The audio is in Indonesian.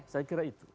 saya kira itu